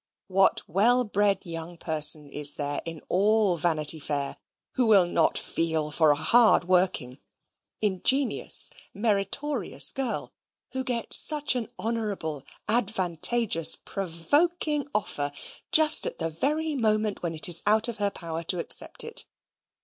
What well bred young person is there in all Vanity Fair, who will not feel for a hard working, ingenious, meritorious girl, who gets such an honourable, advantageous, provoking offer, just at the very moment when it is out of her power to accept it?